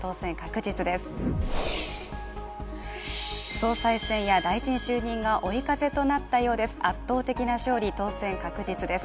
総裁選や大臣就任が追い風となったようです。